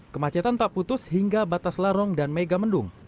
kemacetan tak putus hingga batas larong dan mega mendung